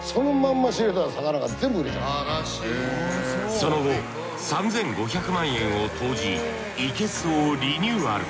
その後３，５００万円を投じ生簀をリニューアル。